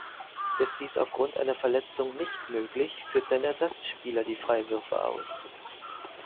Ist dies aufgrund einer Verletzung nicht möglich, führt sein Ersatzspieler die Freiwürfe aus.